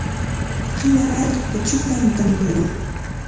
Suwa allqupa chupantam muturqun.